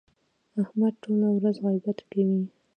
احمد ټوله ورځ غیبت کوي.